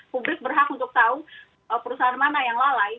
publik berhak untuk tahu perusahaan mana yang lalai